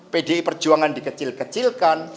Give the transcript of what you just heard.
pdi perjuangan dikecil kecilkan